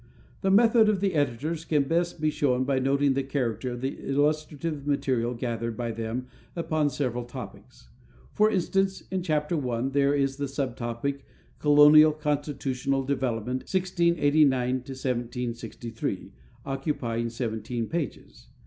The method of the editors can best be shown by noting the character of the illustrative material gathered by them upon several topics. For instance in Chapter I there is the sub topic, "Colonial Constitutional Development, 1689 1763," occupying 17 pages.